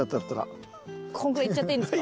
こんぐらいいっちゃっていいんですか？